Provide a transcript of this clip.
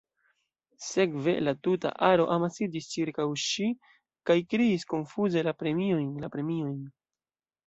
Sekve, la tuta aro amasiĝis ĉirkaŭ ŝi kaj kriis konfuze La premiojn, la premiojn.